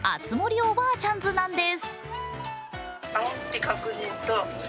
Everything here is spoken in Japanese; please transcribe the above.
おばあちゃんズなんです。